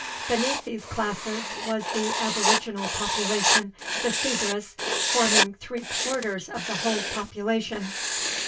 Beneath these classes was the aboriginal population, the Sudras, forming three quarters of the whole population.